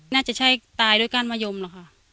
น่าจะใช่ตายด้วยก้านมะยมหรอกค่ะ